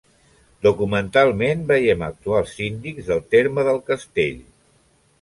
Documentalment, veiem actuar els síndics del terme del castell.